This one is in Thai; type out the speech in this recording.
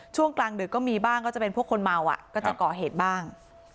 ช่วงกลางดึกก็มีบ้างก็จะเป็นพวกคนเมาก็จะก่อเหตุบ้าง